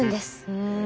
ふん。